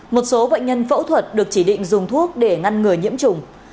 một số bệnh nhân phẫu thuật được chỉ định dùng thuốc để ngăn ngừa nhiễm chủng